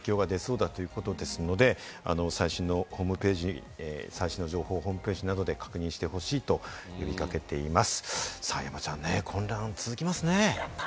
ただ、ＪＲは引き続き影響が出そうだということですので、最新の情報をホームページなどで確認してほしいと呼び掛けています。